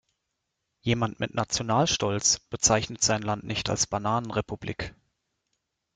Jemand mit Nationalstolz bezeichnet sein Land nicht als Bananenrepublik.